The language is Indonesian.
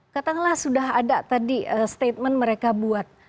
katakanlah sudah ada tadi statement mereka buat